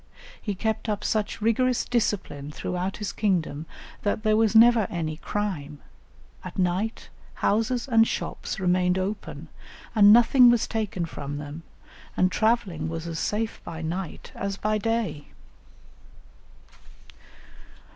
He kept up such rigorous discipline throughout his kingdom that there was never any crime; at night, houses and shops remained open, and nothing was taken from them, and travelling was as safe by night as by day."